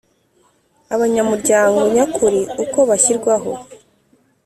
Abanyamuryango nyakuri uko bashyirwaho